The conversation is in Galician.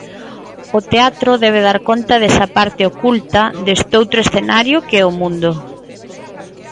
O teatro debe dar conta desa parte oculta destoutro escenario que é o mundo.